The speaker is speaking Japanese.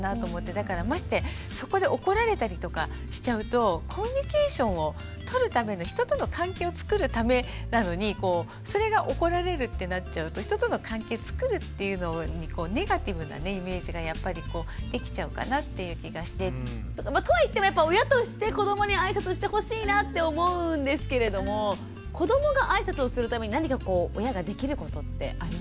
だからましてそこで怒られたりとかしちゃうとコミュニケーションをとるための人との関係をつくるためなのにそれが怒られるってなっちゃうと人との関係つくるっていうのにネガティブなイメージがやっぱりこうできちゃうかなっていう気がして。とはいってもやっぱ親として子どもにあいさつしてほしいなって思うんですけれども子どもがあいさつをするために何か親ができることってありますか？